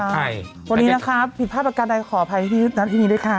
ภาพประกันได้ขออภัยพี่นัทที่นี่ด้วยค่ะ